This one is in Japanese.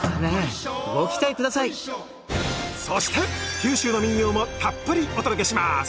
ご期待下さいそして九州の民謡もたっぷりお届けします